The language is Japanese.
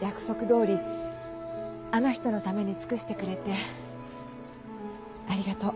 約束どおりあの人のために尽くしてくれてありがとう。